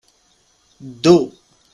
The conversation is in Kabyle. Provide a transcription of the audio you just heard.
Ddu.